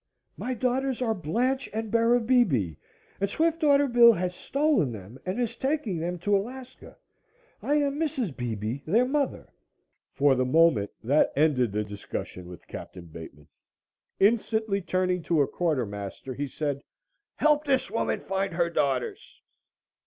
"My daughters are Blanche and Bera Beebe and Swiftwater Bill has stolen them and is taking them to Alaska. I am Mrs. Beebe, their mother." For the moment that ended the discussion with Capt. Bateman. Instantly turning to a quartermaster, he said: "Help this woman find her daughters!"